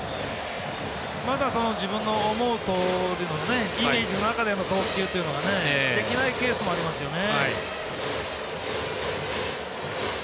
まだ、自分の思うとおりのイメージの中での投球というのはできないケースもありますよね。